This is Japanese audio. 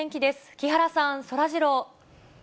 木原さん、そらジロー。